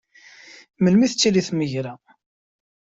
Melmi i d-tettili tmegra?